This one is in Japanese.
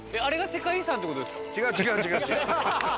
違う違う違う違う。